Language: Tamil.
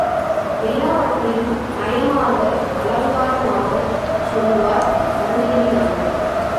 எல்லாவற்றையும் நயமாக அலங்காரமாகச் சொல்வார் அருணகிரிநாதர்.